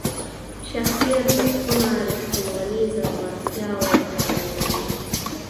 شخصي ارزښتونه ریښتینولي، زړورتیا او وفاداري دي.